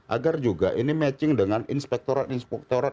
agar juga ini matching dengan inspektorat inspektorat